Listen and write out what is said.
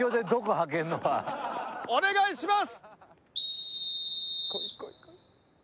お願いします！